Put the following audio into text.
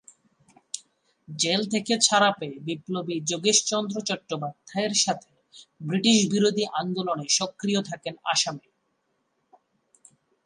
Jail থেকে ছাড়া পেয়ে বিপ্লবী যোগেশচন্দ্র চট্টোপাধ্যায়ের সাথে ব্রিটিশবিরোধী আন্দোলনে সক্রিয় থাকেন আসামে।